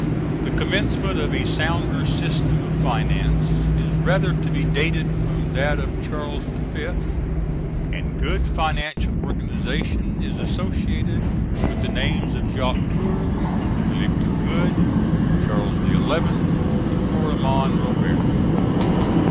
The commencement of a sounder System of finance is rather to be dated from that of Charles V.; and good financial organization is associated with the names of Jacques Coeur, Philip the Good, Charles XI., and Florimond Robertet.